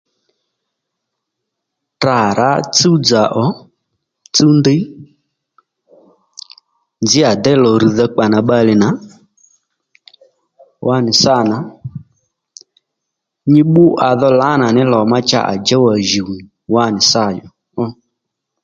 Tdra à rǎ tsúw dzà ò tsúw ndiy nzǐ à déy lò rrdha kpa nà bbalè nà wá nì sâ nà nyi bbú à dho lǎnà ní lò ma cha à djów à jùw nì wá nì sâ ó